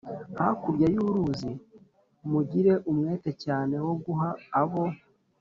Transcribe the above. hakurya y uruzi mugire umwete cyane wo guha abo